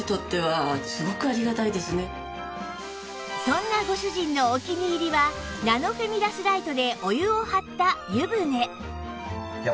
そんなご主人のお気に入りはナノフェミラスライトでお湯を張った湯船